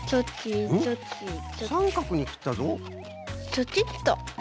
チョキッと。